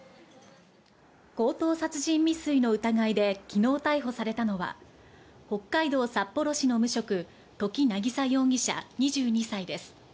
強盗殺人未遂の疑いで昨日逮捕されたのは、北海道札幌市の無職・土岐渚容疑者、２２歳です。